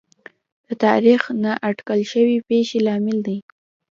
د تاریخ نااټکل شوې پېښې لامل دي.